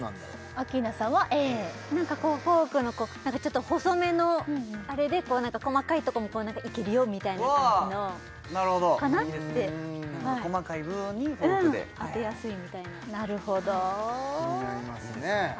アッキーナさんはＡなんかこうフォークの細めのあれで細かいとこもいけるよみたいな感じのなるほどかなって細かい部分にフォークでうん当てやすいみたいななるほど気になりますね